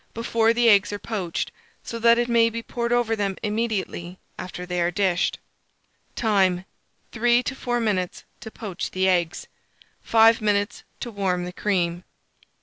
before the eggs are poached, so that it may be poured over them immediately after they are dished. Time. 3 to 4 minutes to poach the eggs, 5 minutes to warm the cream.